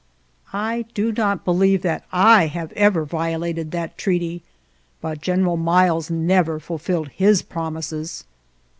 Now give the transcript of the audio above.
I do not believe that I have ever violated that treaty; but General Miles 7 never ful filled his promises.